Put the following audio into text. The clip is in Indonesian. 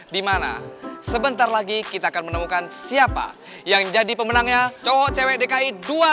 di mana sebentar lagi kita akan menemukan siapa yang jadi pemenangnya cowok cewek dki dua ribu enam belas